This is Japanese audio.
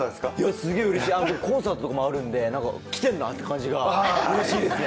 すげーうれしい、コンサートとかもあるんで、来てるなって感じがうれしいですね。